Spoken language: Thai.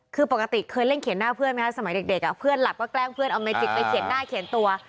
คือปกติเคยเล่นเขียนหน้าเพื่อนไหมคะสมัยเด็กเพื่อนหลับก็แกล้งเพื่อนเอาเมจิกไปเขียนหน้าเขียนตัว